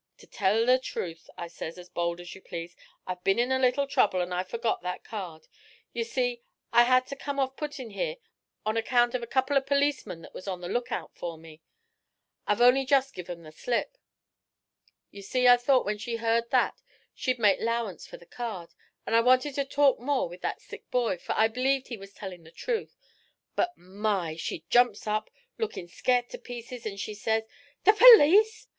"Ter tell the truth," I says, as bold as you please, "I've been in a little trouble, an' I forgot that card. You see, I had to put off comin' here on account of a couple of perlecemen that was on the look out fer me. I've only jest give 'em the slip." You see I thought when she heard that she'd make 'lowance fer the card, an' I wanted to talk more with that sick boy, fer I b'leeved he was tellin' the truth. But, my! she jumps up, lookin' scairt to pieces, an' she says: '"The perlece!